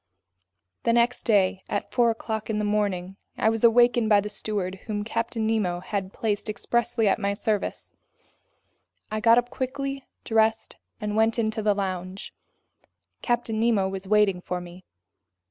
The next day at four o'clock in the morning, I was awakened by the steward whom Captain Nemo had placed expressly at my service. I got up quickly, dressed, and went into the lounge. Captain Nemo was waiting for me.